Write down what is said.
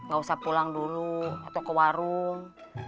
gak usah pulang dulu atau ke warung